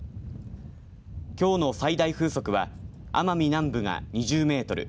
きょうの最大風速は奄美南部が２０メートル